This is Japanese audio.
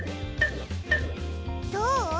どう？